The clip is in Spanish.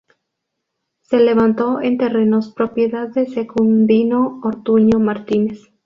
Se levantó en terrenos propiedad de Secundino Ortuño Martínez.